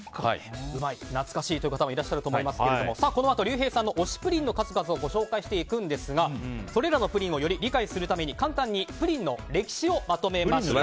懐かしいという方もいらっしゃると思いますがこのあと、りゅうへいさんの推しプリンの数々をご紹介していくんですがそれらのプリンをより理解するために簡単にプリンの歴史をまとめました。